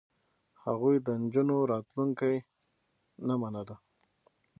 هغوی د نجونو راتلونکې نه منله.